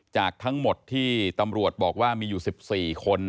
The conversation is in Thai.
จากทั้งหมดที่ตำรวจบอกว่ามีอยู่๑๔คน